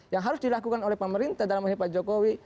yang harus dilakukan oleh pemerintah dalam hal ini pak jokowi